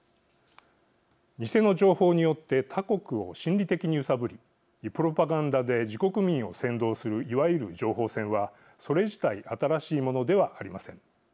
偽の情報によって他国を心理的に揺さぶりプロパガンダで自国民を扇動するいわゆる情報戦はそれ自体新しいものではありません。